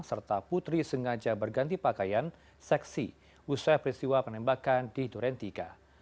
serta putri sengaja berganti pakaian seksi usai peristiwa penembakan di duren tiga